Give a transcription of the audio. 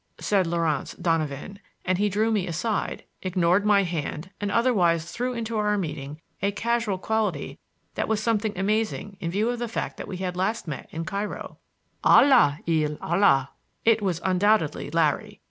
said Laurance Donovan, and he drew me aside, ignored my hand and otherwise threw into our meeting a casual quality that was somewhat amazing in view of the fact that we had met last at Cairo. "Allah il Allah!" It was undoubtedly Larry.